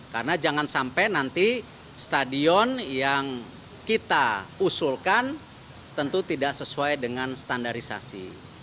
karena jangan sampai nanti stadion yang kita usulkan tentu tidak sesuai dengan standarisasi